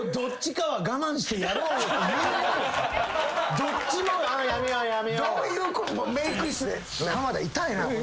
どっちも「やめようやめよう」メーク室で「浜田痛いな」